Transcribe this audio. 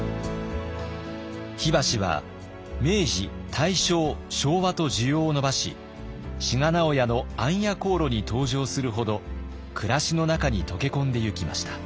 火箸は明治大正昭和と需要を伸ばし志賀直哉の「暗夜行路」に登場するほど暮らしの中に溶け込んでいきました。